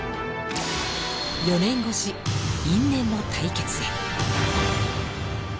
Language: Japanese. ４年越し因縁の対決へ。